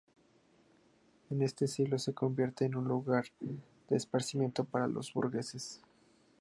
En este siglo se convirtió en un lugar de esparcimiento para los burgueses.